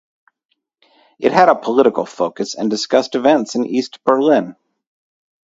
It had a political focus and discussed events in East Berlin.